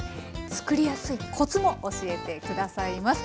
作りやすいコツも教えて下さいます。